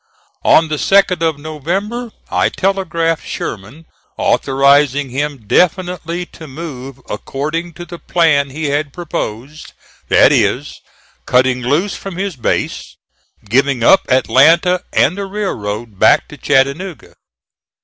On the 2d of November I telegraphed Sherman authorizing him definitely to move according to the plan he had proposed: that is, cutting loose from his base, giving up Atlanta and the railroad back to Chattanooga.